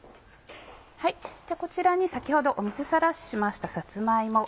こちらに先ほど水さらししましたさつま芋。